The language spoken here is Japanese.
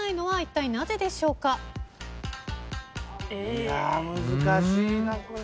いや難しいなこれ。